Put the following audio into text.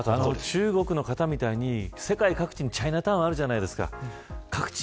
中国の方みたいに世界各地にチャイナタウンがあるじゃないですか。